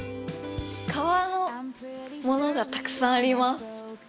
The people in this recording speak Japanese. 革の物がたくさんあります。